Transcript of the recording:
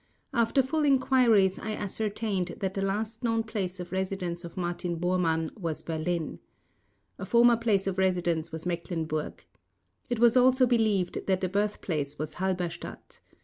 After full enquiries I ascertained that the last known place of residence of Martin Bormann was Berlin. A former place of residence was Mecklenburg. It was also believed that the birthplace was Halberstadt.